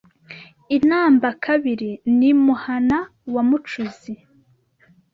I Nambakabiri n’imuhana wa Mucuzi